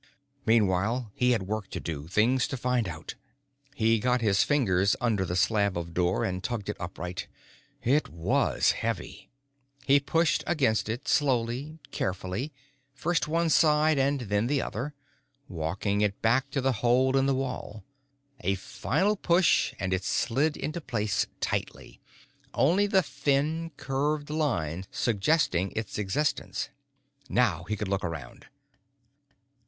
Meanwhile, he had work to do, things to find out. He got his fingers under the slab of door and tugged it upright. It was heavy! He pushed against it, slowly, carefully, first one side and then the other, walking it back to the hole in the wall. A final push, and it slid into place tightly, only the thin, curved line suggesting its existence. Now he could look around.